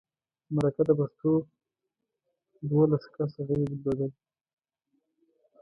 مرکه د پښتو دولس کسه غړي درلودل.